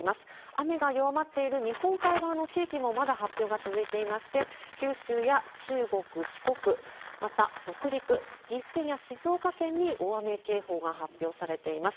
雨が弱まっている日本海側の地域もまだ発表が続いていまして、九州や中国、四国、また北陸、岐阜県や静岡県に大雨警報が発表されています。